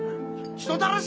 「人たらし！」。